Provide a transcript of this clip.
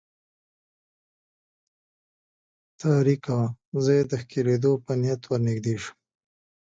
تاریکه وه، زه یې د ښکلېدو په نیت ور نږدې شوم.